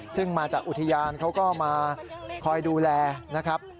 ซึ่งมาจากอุทยานเขาก็มาคอยดูแลนะครับ